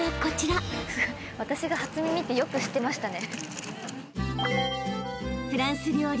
私が初耳ってよく知ってましたね。